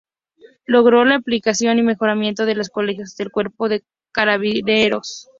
Logró la ampliación y mejoramiento de los Colegios del Cuerpo de Carabineros.